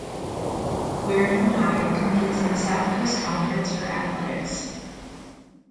Wareham High competes in the South Coast Conference for athletics.